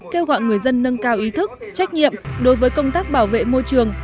kêu gọi người dân nâng cao ý thức trách nhiệm đối với công tác bảo vệ môi trường